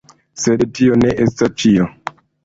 Sed tio ne estas ĉio!